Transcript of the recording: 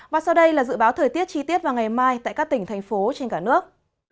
và sau đây là dự báo thời tiết chi tiết vào ngày mai tại các tỉnh thành phố trên cả nước